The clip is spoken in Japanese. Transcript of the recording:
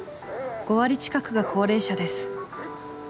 ５割近くが高齢者です。